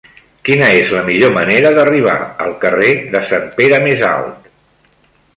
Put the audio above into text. Quina és la millor manera d'arribar al carrer de Sant Pere Més Alt?